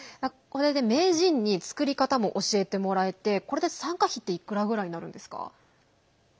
名人に作り方も教えてもらえてこれで参加費はいくらぐらいになるんですか？